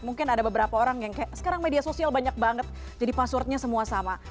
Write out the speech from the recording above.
mungkin ada beberapa orang yang kayak sekarang media sosial banyak banget jadi passwordnya semua sama